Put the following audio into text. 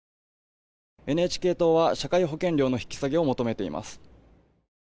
ＮＨＫ党は社会保険料の引き下げを求めています。